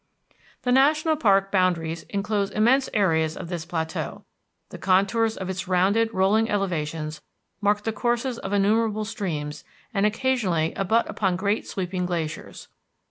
The national park boundaries enclose immense areas of this plateau. The contours of its rounded rolling elevations mark the courses of innumerable streams, and occasionally abut upon great sweeping glaciers.